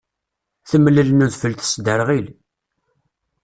Temlel n udfel tesdderɣil.